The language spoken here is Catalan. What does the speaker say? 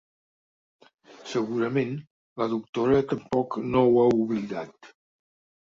Segurament, la doctora tampoc no ho ha oblidat.